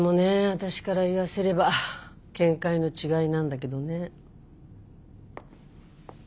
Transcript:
私から言わせれば見解の違いなんだけどね。